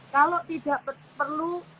kalau tidak perlu